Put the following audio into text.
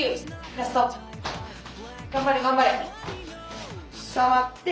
頑張れ頑張れ。